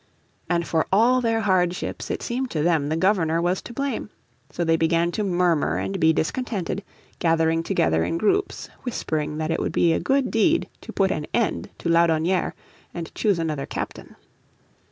And for all their hardships it seemed to them the Governor was to blame. So they began to murmur and be discontented, gathering together in groups, whispering that it would be a good deed to put an end to Laudonnière and choose another captain.